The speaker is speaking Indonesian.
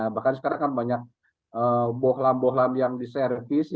bahkan sekarang kan banyak bohlam bohlam yang diservis